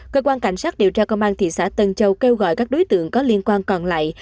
cơ quan cảnh sát điều tra công an thị xã tân châu kêu gọi các đối tượng có liên quan còn lại